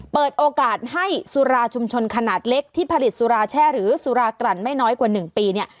เปิดโอกาสให้สุราชุมชนขนาดเล็กที่ผลิตสุราแช่หรือสุราตรั่นไม่น้อยกว่า๑ปีเนี่ย